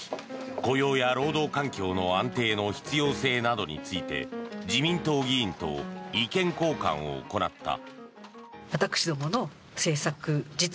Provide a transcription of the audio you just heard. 雇用や労働環境の安定の必要性などについて自民党議員と意見交換を行った。